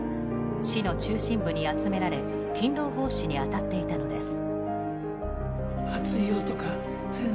市の中心部に集められ勤労奉仕にあたっていたのです。